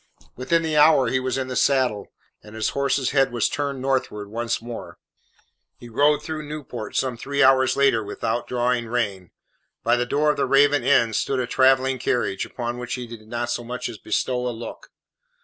Within the hour he was in the saddle, and his horse's head was turned northwards once more. He rode through Newport some three hours later without drawing rein. By the door of the Raven Inn stood a travelling carriage, upon which he did not so much as bestow a look.